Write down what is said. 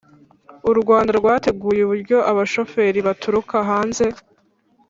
u rwanda rwateguye uburyo abashoferi baturuka hanze